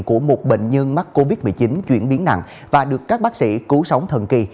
của một bệnh nhân mắc covid một mươi chín chuyển biến nặng và được các bác sĩ cứu sống thần kỳ